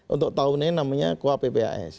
untuk tahunnya namanya kuappas